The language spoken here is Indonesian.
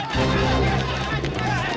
di mana dia